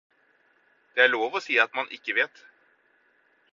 Det er lov å si at man ikke vet.